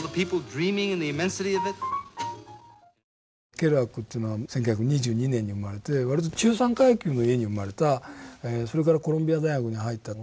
ケルアックは１９２２年に生まれて割と中産階級の家に生まれたそれからコロンビア大学に入ったの。